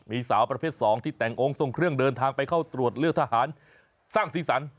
มีสาวประเภท๒ที่แต่งองค์ทรงเครื่องเดินทางไปเข้าตรวจเลือกทหารสร้างสีสัน